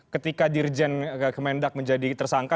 ketika dirjen kemendak menjadi tersangka